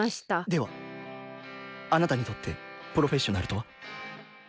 ではあなたにとってプロフェッショナルとは？